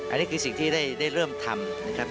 อันนี้คือสิ่งที่ได้เริ่มทำนะครับ